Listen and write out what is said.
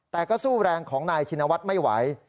แต่ก็สู้แรงของนายชินวัฒน์ไม่ไหว